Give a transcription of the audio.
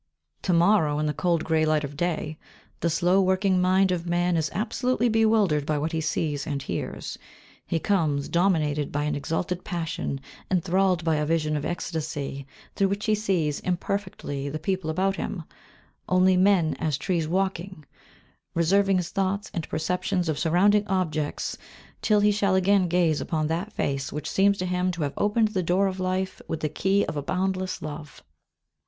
To morrow, in the cold grey light of day, the slow working mind of man is absolutely bewildered by what he sees and hears. He comes, dominated by an exalted passion, enthralled by a vision of ecstasy through which he sees, imperfectly, the people about him, only "men as trees walking"; reserving his thoughts and perceptions of surrounding objects till he shall again gaze upon that face which seems to him to have opened the door of life with the key of a boundless love.